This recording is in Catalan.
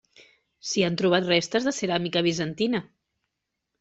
S'hi han trobat restes de ceràmica bizantina.